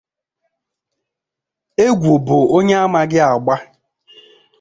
Egwu bu onye amaghị agba